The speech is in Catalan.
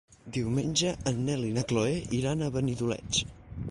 Diumenge en Nel i na Chloé iran a Benidoleig.